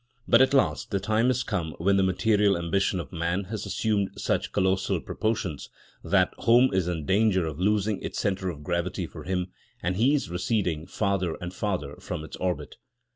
But at last the time has come when the material ambition of man has assumed such colossal proportions that home is in danger of losing its centre of gravity for him, and he is receding farther and farther from its orbit.